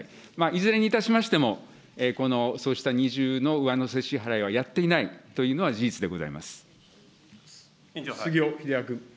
いずれにいたしましても、このそうした二重の上乗せ支払いはやっていないというのは事実で杉尾秀哉君。